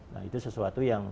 nah itu sesuatu yang